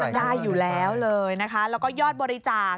ได้อยู่แล้วเลยนะคะแล้วก็ยอดบริจาค